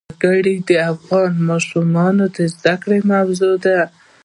وګړي د افغان ماشومانو د زده کړې موضوع ده.